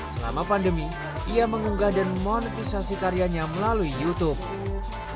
selama pandemi ia mengunggah dan monetisasi karyanya melalui youtube